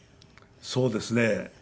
そうですね。